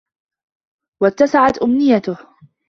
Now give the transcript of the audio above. وَاتَّسَعَتْ أُمْنِيَّتُهُ